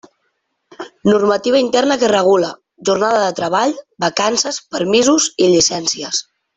Normativa interna que regula: jornada de treball, vacances, permisos i llicències.